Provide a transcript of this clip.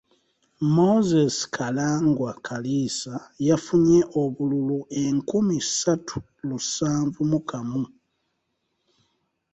Moses Karangwa Kalisa yafunye obululu enkumi ssatu lusanvu mu kamu.